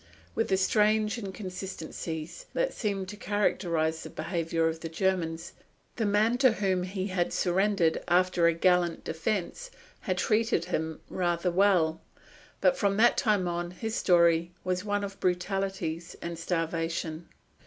With the strange inconsistencies that seem to characterise the behaviour of the Germans, the man to whom he had surrendered after a gallant defence had treated him rather well. But from that time on his story was one of brutalities and starvation.